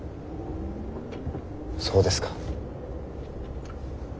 そうですか。